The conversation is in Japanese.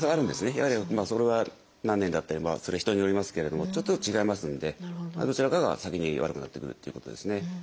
やはりそれは何年だったりそれは人によりますけれどもちょっとずつ違いますのでどちらかが先に悪くなってくるっていうことですね。